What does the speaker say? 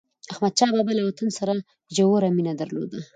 احمدشاه بابا له وطن سره ژوره مینه درلوده.